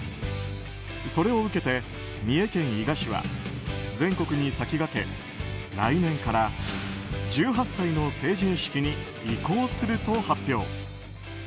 それを受けて三重県伊賀市は全国に先駆け、来年から１８歳の成人式に移行すると発表。